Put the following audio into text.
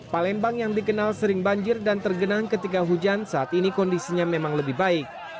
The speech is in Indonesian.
palembang yang dikenal sering banjir dan tergenang ketika hujan saat ini kondisinya memang lebih baik